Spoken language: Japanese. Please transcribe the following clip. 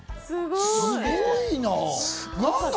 すごいな。